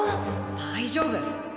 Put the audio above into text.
大丈夫。